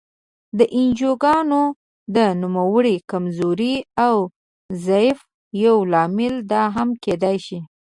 د انجوګانو د نوموړې کمزورۍ او ضعف یو لامل دا هم کېدای شي.